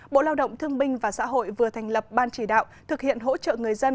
bộ lao động thương binh và xã hội vừa thành lập ban chỉ đạo thực hiện hỗ trợ người dân